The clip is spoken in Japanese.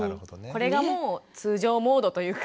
これがもう通常モードというか。